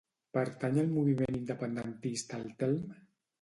Pertany al moviment independentista el Telm?